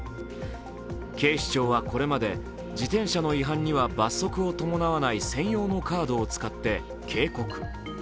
警視庁はこれまで、自転車の違反には罰則を伴わない専用のカードを使って警告。